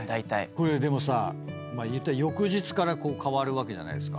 これでもさ言ったら翌日から変わるわけじゃないですか。